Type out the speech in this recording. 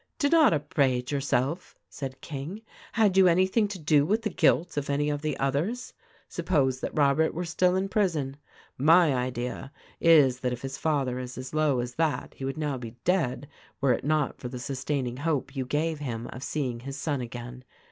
"Do not upbraid yourself," said King. "Had you any thing to do with the guilt of any of the others ? Suppose that Robert were still in prison? My idea is that if his father is as low as that, he would now be dead were it not for the sustaining hope you gave him of seeing his son again.